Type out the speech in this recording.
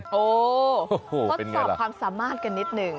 ทดสอบความสามารถกันนิดหนึ่ง